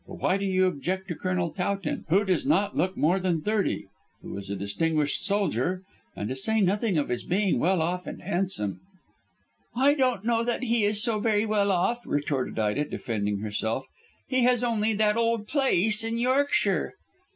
"But why do you object to Colonel Towton, who does not look more than thirty and who is a distinguished soldier, to say nothing of his being well off and handsome." "I don't know that he is so very well off," retorted Ida, defending herself; "he has only that old place in Yorkshire."